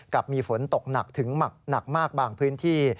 กับมีฝนตกหนักถึงหมักหนักมากบางพื้นที่